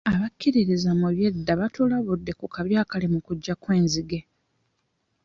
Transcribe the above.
Abakkiririza mu by'edda batulabudde ku kabi akaali mu kujja kw'enzige.